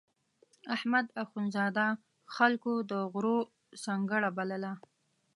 احمد اخوندزاده خلکو د غرو سنګړه بلله.